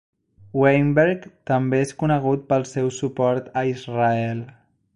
Weinberg també és conegut pel seu suport a Israel.